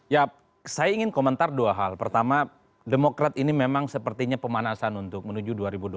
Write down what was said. ya saya ingin komentar dua hal pertama demokrat ini memang sepertinya pemanasan untuk menuju dua ribu dua puluh empat